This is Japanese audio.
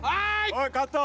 おいカット！